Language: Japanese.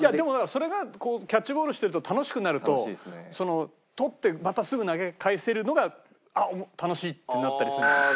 それがキャッチボールしてると楽しくなると捕ってまたすぐ投げ返せるのがあっ楽しい！ってなったりするんじゃない？